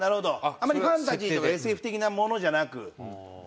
あんまりファンタジーとかＳＦ的なものじゃなく。